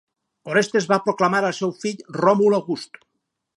Orestes va proclamar al seu fill Ròmul August.